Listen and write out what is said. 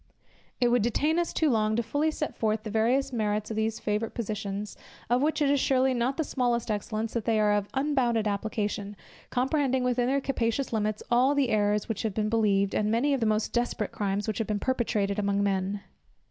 It would detain us too long fully to set forth the various merits of these favourite positions, of which it is surely not the smallest excellence, that they are of unbounded application, comprehending within their capacious limits, all the errors which have been believed, and many of the most desperate crimes which have been perpetrated among men.